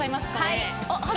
はい。